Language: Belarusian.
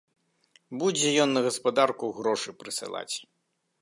Будзе ён на гаспадарку грошы прысылаць.